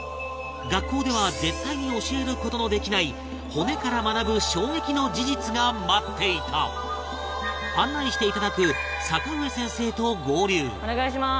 学校では絶対に教える事のできない骨から学ぶ衝撃の事実が待っていた案内していただく坂上先生と合流蓮君：お願いします。